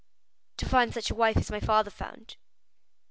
"To find such a wife as my father found."